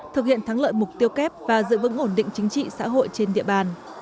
thực hiện thắng lợi mục tiêu kép và giữ vững ổn định chính trị xã hội trên địa bàn